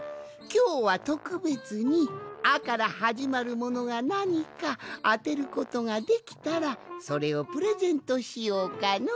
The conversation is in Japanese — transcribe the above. きょうはとくべつに「あ」からはじまるものがなにかあてることができたらそれをプレゼントしようかの。